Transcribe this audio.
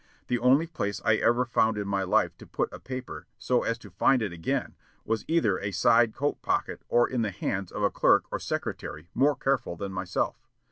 The only place I ever found in my life to put a paper so as to find it again was either a side coat pocket or the hands of a clerk or secretary more careful than myself.